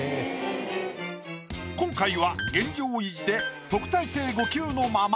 今回は現状維持で特待生５級のまま。